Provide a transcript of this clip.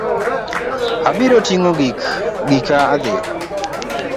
Abiro ting'o gika adhi.